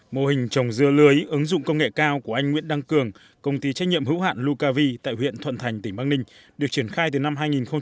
mô hình trồng dưa lưới ứng dụng công nghệ cao của anh nguyễn đăng cường công ty trách nhiệm hữu hạn lucavi tại huyện thuận thành tỉnh bắc ninh được triển khai từ năm hai nghìn một mươi